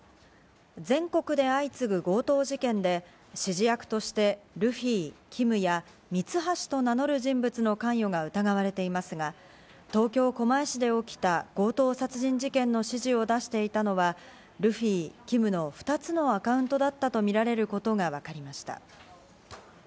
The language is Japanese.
全国で相次ぐ強盗事件で、指示役としてルフィ、ＫＩＭや、ミツハシと名乗る人物の関与が疑われていますが、東京・狛江市で起きた強盗殺人事件の指示を出していたのはルフィ、ＫＩＭの２つのアカウントだったとみられることがわかりました。